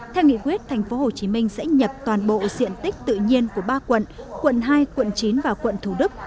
theo nghị quyết tp hcm sẽ nhập toàn bộ diện tích tự nhiên của ba quận quận hai quận chín và quận thủ đức